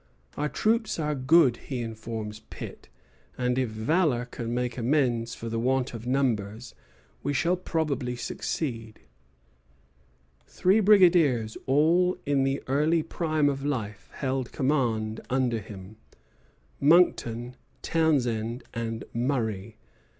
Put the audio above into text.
"Our troops are good," he informs Pitt; "and if valor can make amends for the want of numbers, we shall probably succeed." See Grenville Correspondence, I. 305. Three brigadiers, all in the early prime of life, held command under him: Monckton, Townshend, and Murray.